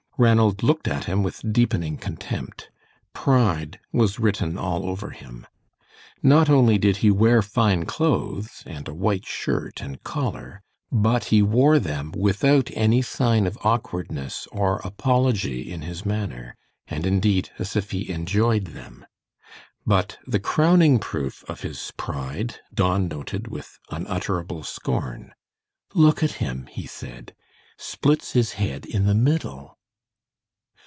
Ranald looked at him with deepening contempt. "Pride" was written all over him. Not only did he wear fine clothes, and a white shirt and collar, but he wore them without any sign of awkwardness or apology in his manner, and indeed as if he enjoyed them. But the crowning proof of his "pride," Don noted with unutterable scorn. "Look at him," he said, "splits his head in the middle."